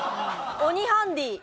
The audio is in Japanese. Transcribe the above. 鬼ハンディー。